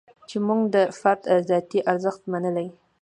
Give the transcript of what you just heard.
چې موږ د فرد ذاتي ارزښت منلی.